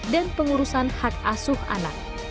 dan pengurusan hak asuh anak